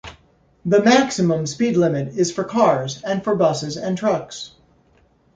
The maximum speed limit is for cars and for buses and trucks.